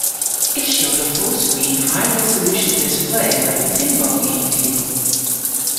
It showed a fullscreen high resolution display of a pinball game table.